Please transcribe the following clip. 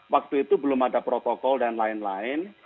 waktu itu belum ada protokol dan lain lain